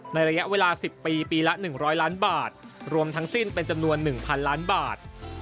ระยะเวลา๑๐ปีปีละ๑๐๐ล้านบาทรวมทั้งสิ้นเป็นจำนวน๑๐๐ล้านบาท